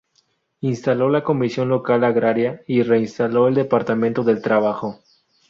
Instaló la Comisión Local Agraria y reinstaló el Departamento del Trabajo.